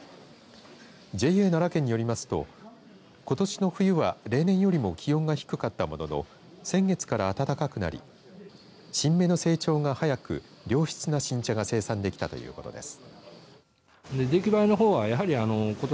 ＪＡならけんによりますとことしの冬は例年よりも気温が低かったものの先月から暖かくなり新芽の成長が早く良質な新茶が生産できたということです。